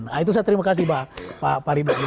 nah itu saya terima kasih pak ridwan